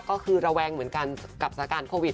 ก็คือระแวงเหมือนกันกับสถานการณ์โควิด